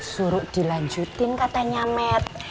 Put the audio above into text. suruh dilanjutin katanya mat